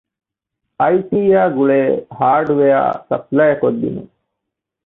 އައިޓީއާ ގުޅޭ ހާޑްވެއަރ ސަޕްލައިކޮށްދިނުން